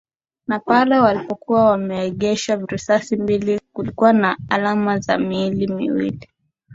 Na pale zilipokuwa zimeegeshwa risasi mbili kulikuwa na alama za miili miwili